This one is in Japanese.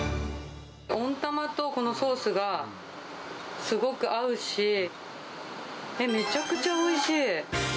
温玉とこのソースが、すごく合うし、え、めちゃくちゃおいしい。